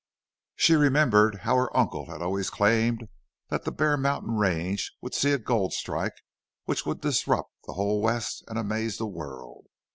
She remembered how her uncle had always claimed that the Bear Mountain range would see a gold strike which would disrupt the whole West and amaze the world.